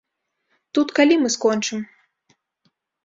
Тут калі мы скончым?